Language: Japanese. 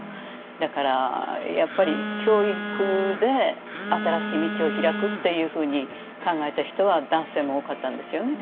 だからやっぱり教育で新しい道をひらくっていうふうに考えた人は男性も多かったんですよね。